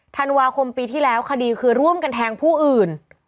ธันวาคมปีที่แล้วคดีคือร่วมกันแทงผู้อื่น